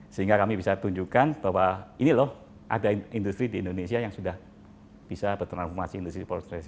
sehingga kami bisa tunjukkan bahwa ini loh ada industri di indonesia yang sudah bisa bertransformasi industri empat